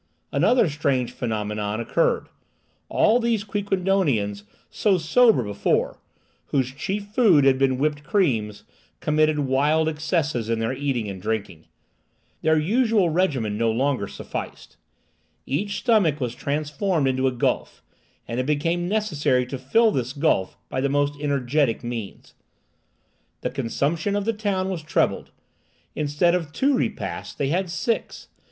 Another strange phenomenon occurred. All these Quiquendonians, so sober before, whose chief food had been whipped creams, committed wild excesses in their eating and drinking. Their usual regimen no longer sufficed. Each stomach was transformed into a gulf, and it became necessary to fill this gulf by the most energetic means. The consumption of the town was trebled. Instead of two repasts they had six.